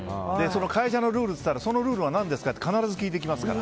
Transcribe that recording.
会社のルールっていったらそのルールは何ですかって必ず聞いてきますから。